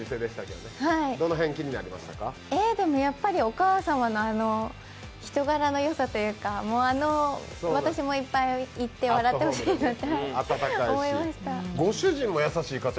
お母様の人柄の良さというか、私も行って、いっぱい笑ってほしいなと思いました。